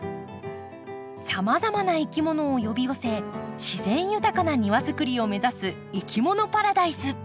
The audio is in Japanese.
さまざまないきものを呼び寄せ自然豊かな庭作りを目指すいきものパラダイス。